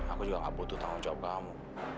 aku juga gak butuh tanggung jawab kamu